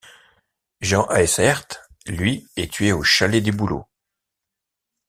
Jean Haesaert, lui est tué au Chalet des Bouleaux.